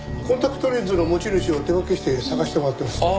コンタクトレンズの持ち主を手分けして捜してもらってます。